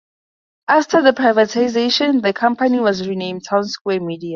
After the privatization, the company was renamed Townsquare Media.